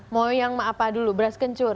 mau yang apa dulu beras kencur